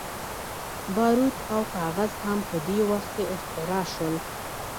باروت او کاغذ هم په دې وخت کې اختراع شول.